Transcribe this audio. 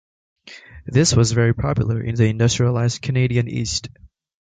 This was very popular in the industrialized Canadian east.